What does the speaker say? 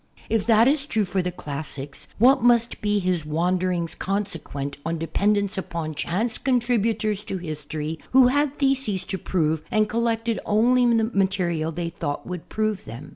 H that is true for the classics what must be his wanderings consequent on de pendence upon chance contributors to history who had theses to prove and collected only the material they thought would prove them?